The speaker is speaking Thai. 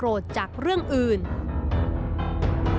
โกรธจากเรื่องอื่นต้องมารับเค้าแทนเพียงแค่อารมณ์โกรธจากเรื่องอื่น